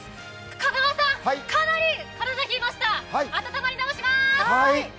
香川さん、かなり体冷えました、温まり直します！